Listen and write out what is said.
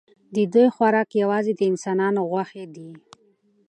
د دوی خوراک یوازې د انسانانو غوښې دي.